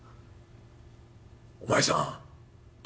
『お前さん誰？』